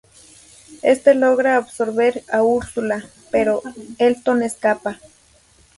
Este logra absorber a Ursula, pero Elton escapa.